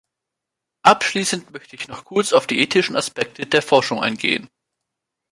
Abschließend möchte ich noch kurz auf die ethischen Aspekte der Forschung eingehen.